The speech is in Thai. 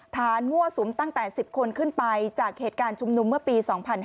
มั่วสุมตั้งแต่๑๐คนขึ้นไปจากเหตุการณ์ชุมนุมเมื่อปี๒๕๕๙